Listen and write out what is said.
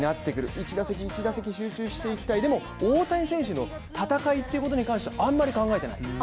１打席１打席集中していきたい、でも大谷選手の戦いということに関してはあんまり考えてない。